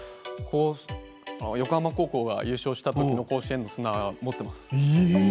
横浜高校が優勝した時の甲子園の砂を持っています。